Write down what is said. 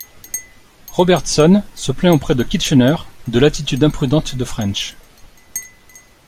Robertson se plaint auprès de Kitchener de l'attitude imprudente de French.